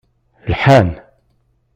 Lḥan.